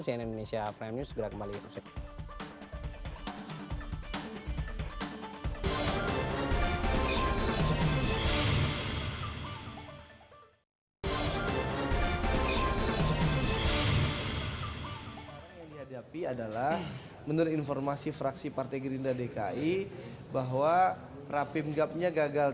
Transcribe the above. cnn indonesia prime news segera kembali